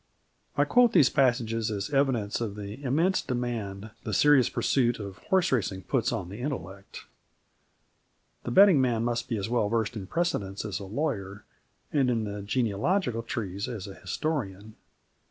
I quote these passages as evidence of the immense demand the serious pursuit of horse racing puts on the intellect. The betting man must be as well versed in precedents as a lawyer and in genealogical trees as a historian.